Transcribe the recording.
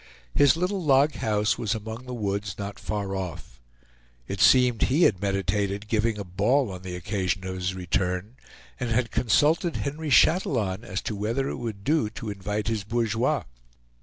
His little log house was among the woods not far off. It seemed he had meditated giving a ball on the occasion of his return, and had consulted Henry Chatillon as to whether it would do to invite his bourgeois.